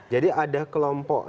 jadi ada kelompok